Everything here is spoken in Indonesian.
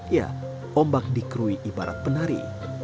ya ombak dikrui ibarat penari